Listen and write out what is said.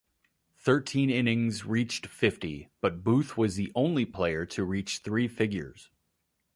Thirteen innings reached fifty, but Booth was the only player to reach three figures.